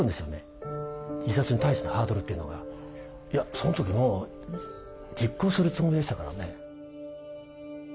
その時もう実行するつもりでしたからね。